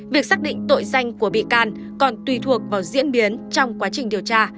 việc xác định tội danh của bị can còn tùy thuộc vào diễn biến trong quá trình điều tra